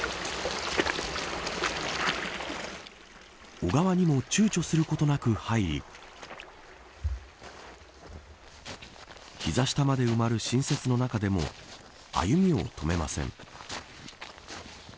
小川にもちゅうちょすることなく入り膝下まで埋まる新雪の中でも歩みを止めません。